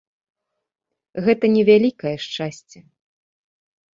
Гэта не вялікае шчасце.